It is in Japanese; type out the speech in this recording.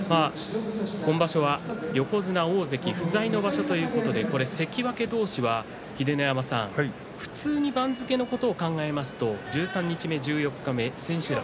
今場所は横綱、大関不在の場所ということで関脇同士は普通に番付のことを考えますと十三日目、十四日目千秋楽